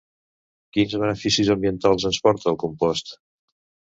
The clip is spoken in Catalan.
Quins beneficis ambientals ens aporta el compost?